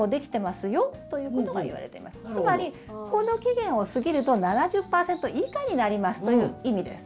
つまりこの期限を過ぎると７０％以下になりますという意味です。